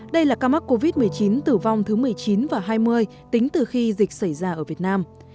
đây là ca mắc covid một mươi chín tử vong thứ một mươi chín và hai mươi tính từ khi dịch xảy ra ở việt nam